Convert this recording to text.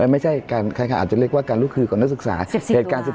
ไม่ใช่การอาจจะเรียกว่าการลุกคือของนักศึกษาเหตุการณ์